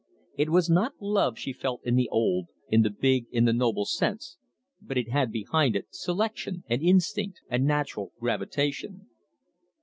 It was not love she felt in the old, in the big, in the noble sense, but it had behind it selection and instinct and natural gravitation.